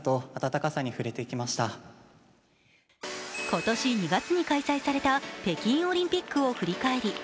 今年２月に開催された北京オリンピックを振り返り